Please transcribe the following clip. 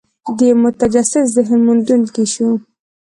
د یوه متجسس ذهن موندونکي شو.